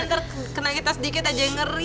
ntar kena hitas dikit aja ngeri